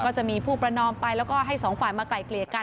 ก็จะมีผู้ประนอมไปแล้วก็ให้สองฝ่ายมาไกล่เกลี่ยกัน